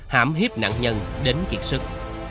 hảm hiếp nạn nhân đến kiệt sức